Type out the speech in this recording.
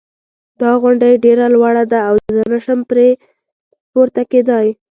دا غونډی ډېره لوړه ده او زه نه شم پری پورته کېدای